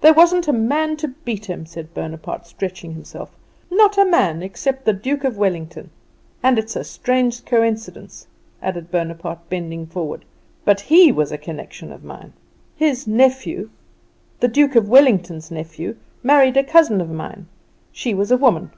There wasn't a man to beat him," said Bonaparte, stretching himself "not a man except the Duke of Wellington. And it's a strange coincidence," added Bonaparte, bending forward, "but he was a connection of mine. His nephew, the Duke of Wellington's nephew, married a cousin of mine. She was a woman!